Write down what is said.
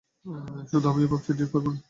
শুটু, আমিও ভাবছি ড্রিংক করবো না।